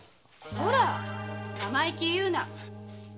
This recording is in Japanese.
こら生意気言うな。